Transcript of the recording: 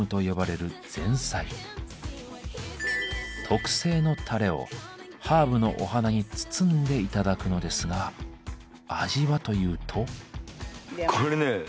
特製のタレをハーブのお花に包んで頂くのですが味はというと。